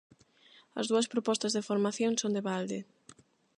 As dúas propostas de formación son de balde.